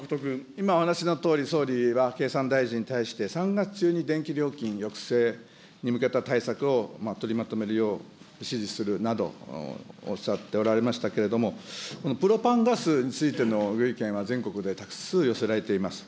今お話しのとおり、総理は経産大臣に対して、３月中に電気料金抑制に向けた対策を取りまとめるよう指示するなどおっしゃっておられましたけれども、このプロパンガスについてのご意見は全国に多数寄せられています。